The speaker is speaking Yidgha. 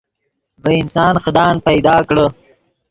ڤے انسان خدان پیدا کڑے